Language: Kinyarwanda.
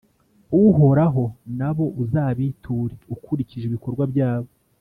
Uhoraho, na bo uzabiture ukurikije ibikorwa byabo;